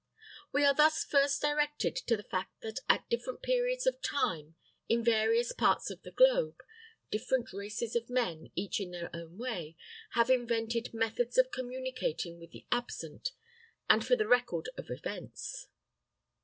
We are thus first directed to the fact that at different periods of time, in various parts of the globe, different races of men, each in their own way, have invented methods of communicating with the absent, and for the record of events.